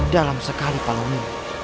dalam sekali pak loni